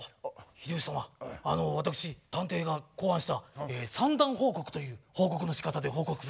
秀吉様あの私探偵が考案した三段報告という報告のしかたで報告させて頂きます。